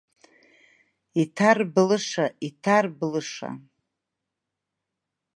Иҭарблыша, иҭарблыша!